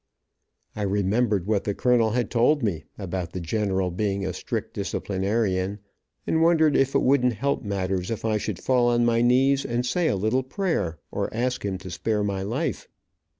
I remembered what the colonel had told me, about the general being a strict disciplinarian, and wondered if it wouldn't help matters if I should fall on my knees and say a little prayer, or ask him to spare my life.